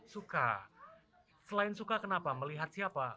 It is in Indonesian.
suka selain suka kenapa melihat siapa